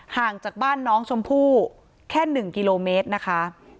ห่างจากบ้านน้องชมพู่แค่๑กิโลเมตรนะคะ